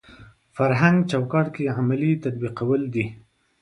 فرهنګ چوکاټ کې عملي تطبیقول دي.